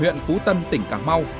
huyện phú tân tỉnh cảng mau